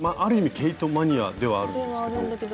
毛糸マニアではあるんですけど。